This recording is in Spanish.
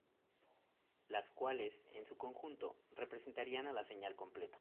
Las cuales, en su conjunto, representarían a la señal completa.